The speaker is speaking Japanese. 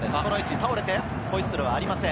倒れて、ホイッスルはありません。